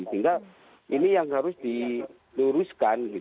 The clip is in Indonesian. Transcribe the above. sehingga ini yang harus diluruskan